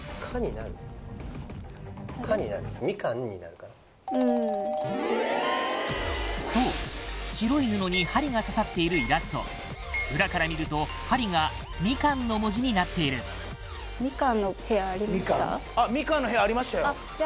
カタカナのそう白い布に針が刺さっているイラスト裏から見ると針が「ミカン」の文字になっている「ミカン」の部屋ありました？